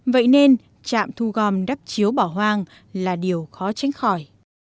vậy nên trạm thu gom đắp chiếu bỏ hoang là điều khó tránh khỏi